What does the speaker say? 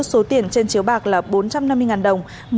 số tiền trên chiếu bạc là bốn trăm năm mươi đồng